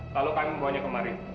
lalu kami membawanya kemari